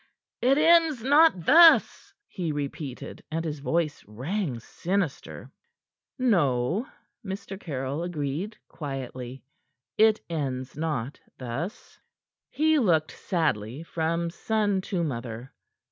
"It ends not thus!" he repeated, and his voice rang sinister. "No," Mr. Caryll agreed quietly. "It ends not thus." He looked sadly from son to mother.